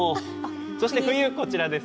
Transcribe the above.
そして冬こちらです。